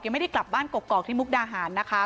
ไม่ได้กลับบ้านกกอกที่มุกดาหารนะคะ